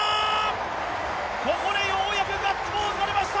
ここでようやくガッツポーズが出ました！